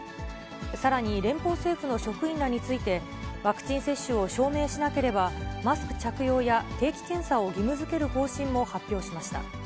さらに連邦政府の職員らについて、ワクチン接種を証明しなければ、マスク着用や定期検査を義務づける方針も発表しました。